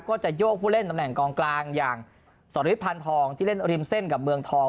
ก็จะโยกผู้เล่นตำแหน่งกองกลางอย่างสริทพันธองที่เล่นริมเส้นกับเมืองทอง